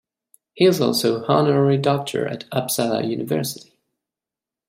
He is also Honorary Doctor at Uppsala University.